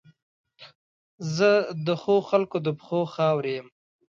زه د ښو خلګو د پښو خاورې یم.